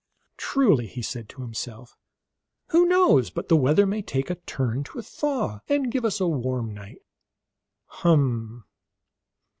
" Truly," he said to himself, " who knows but the weather may take a turn to a thaw, and give us a warm night ? Hum